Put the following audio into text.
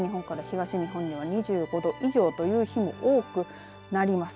西日本から東日本では２５度以上という日も多くなります。